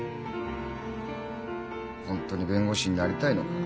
本当に弁護士になりたいのか